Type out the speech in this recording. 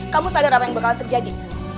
kamu sadar apa yang bakal terjadi